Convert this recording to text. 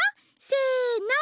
せの！